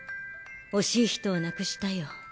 惜しい人を亡くしたよ。